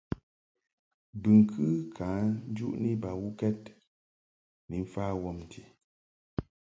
Bɨŋkɨ ka njuʼni bawukɛd ni mfa wɔmti.